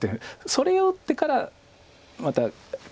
それを打ってからまたカケよう。